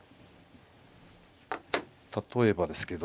例えばですけど。